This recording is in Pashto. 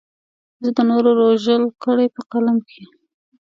چې د نورو رژول کړې په قلم کې.